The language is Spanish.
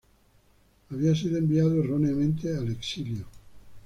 Había sido enviado erróneamente al exilio.